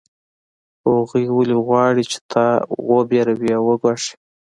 خو هغوی ولې غواړي چې تا وویروي او وګواښي